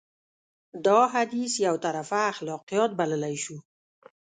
دا حديث يو طرفه اخلاقيات بللی شو.